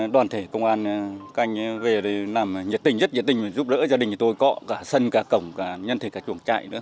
đoàn thể công an các anh về đây làm nhiệt tình rất nhiệt tình giúp đỡ gia đình tôi có cả sân cả cổng cả nhân thể cả chuồng chạy nữa